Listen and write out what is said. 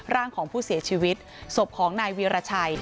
ร่างของผู้เสียชีวิตศพของนายวีรชัย